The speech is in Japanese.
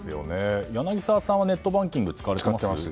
柳澤さんはネットバンキング使われてます？